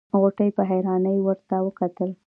غوټۍ په حيرانۍ ورته کتل.